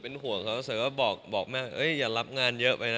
เป็นห่วงเสือก็บอกเมื่อกอยากรับงานเยอะไปนะ